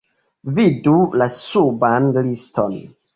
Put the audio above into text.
Vidu la suban liston!